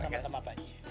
sama sama pak haji